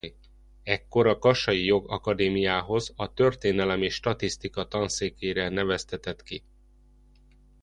Ekkor a kassai jogakadémiához a történelem és statisztika tanszékére neveztetett ki.